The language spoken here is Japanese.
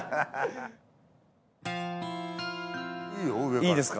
いいですか？